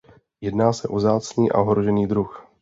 Jedná se o vzácný a ohrožený druh.